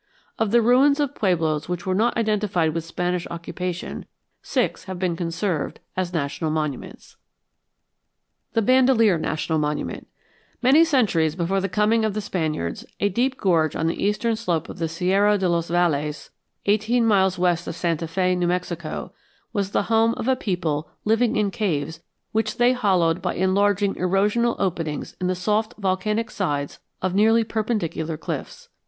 Of the ruins of pueblos which were not identified with Spanish occupation, six have been conserved as national monuments. THE BANDELIER NATIONAL MONUMENT Many centuries before the coming of the Spaniards, a deep gorge on the eastern slope of the Sierra de los Valles, eighteen miles west of Santa Fé, New Mexico, was the home of a people living in caves which they hollowed by enlarging erosional openings in the soft volcanic sides of nearly perpendicular cliffs.